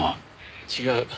違う。